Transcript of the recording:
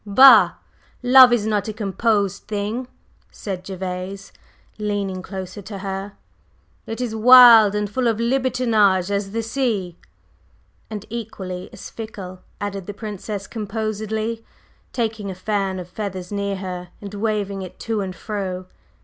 "Bah! Love is not a composed thing," said Gervase, leaning closer to her. "It is wild, and full of libertinage as the sea." "And equally as fickle," added the Princess composedly, taking a fan of feathers near her and waving it to and fro.